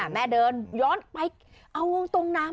แม่เดินย้อนไปเอาลงตรงนาน